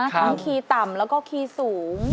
คีย์ต่ำแล้วก็คีย์สูง